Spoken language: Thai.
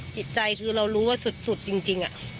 จิตใจรู้ว่าเราสุดจริง